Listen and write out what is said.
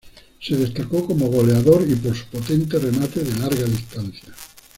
Se destacó como goleador y por su potente remate de larga distancia.